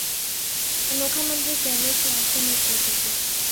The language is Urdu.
انوکھا منظر کیمرے کی آنکھ میں محفوظ ہوگیا